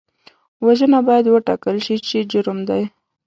وژنه باید وټاکل شي چې جرم دی